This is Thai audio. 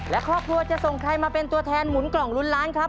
และครอบครัวจะส่งใครมาเป็นตัวแทนหมุนกล่องลุ้นล้านครับ